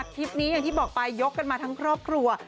คลิปนี้อย่างที่บอกไปยกกันมาทั้งครอบครัว